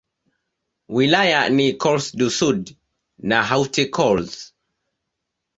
Wilaya ni Corse-du-Sud na Haute-Corse.